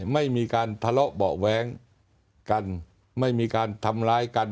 ไม่มีการทะเลาะเบาะแว้งกันไม่มีการทำร้ายกัน